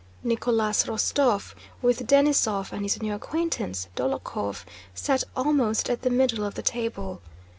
Nicholas Rostóv, with Denísov and his new acquaintance, Dólokhov, sat almost at the middle of the table.